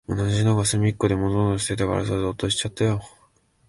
同じのがすみっこでもぞもぞしてたからさ、ぞっとしちゃったよ。